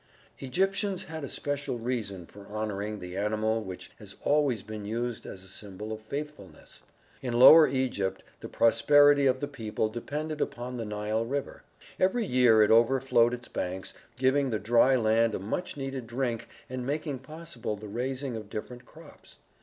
Egyptians had a special reason for honoring the animal which has always been used as a symbol of faithfulness. In lower Egypt the prosperity of the people depended upon the Nile River. Every year it overflowed its banks, giving the dry land a much needed drink and making possible the raising of different crops.